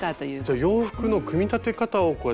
じゃあ洋服の組み立て方をこうやって考えていく仕事を。